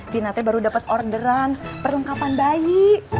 tina t baru dapet orderan perlengkapan bayi